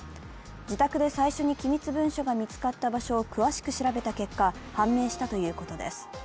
自宅で最初に機密文書が見つかった場所を詳しく調べた結果、判明したということです。